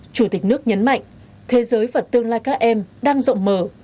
chủ tịch nước nhấn mạnh thế giới và tương lai các em đang rộng mở